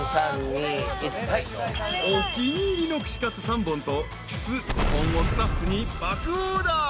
［お気に入りの串カツ３本とキス５本をスタッフに爆オーダー］